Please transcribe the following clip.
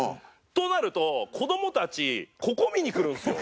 となると子どもたちここを見に来るんですよ